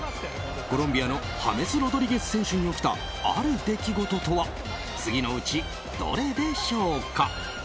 コロンビアのハメス・ロドリゲス選手に起きたある出来事とは次のうち、どれでしょうか？